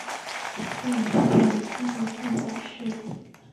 现居住于千叶县柏市。